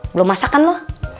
belum masakan lu